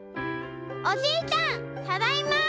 おじいちゃんただいま！」。